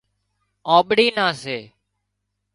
آنٻڙي نان سي